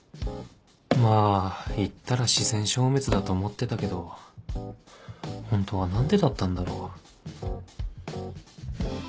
まぁいったら自然消滅だと思ってたけどホントは何でだったんだろう？